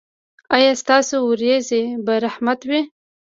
ایا ستاسو ورېځې به رحمت وي؟